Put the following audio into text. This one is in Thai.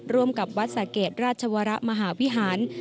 ร่วมกับวัดสะเกดราชวรมหาวิหาร